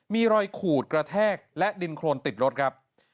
มีรอยขูดกระแทกและดินโครนติดรถครับ